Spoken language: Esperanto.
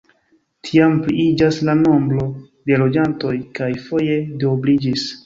Tiam pliiĝas la nombro de loĝantoj kaj foje duobliĝis.